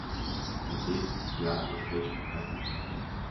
Der See ist die ideale Location für ein Picknick.